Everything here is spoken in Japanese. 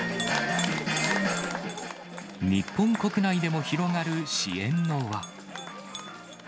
日本国内でも広がる支援の輪。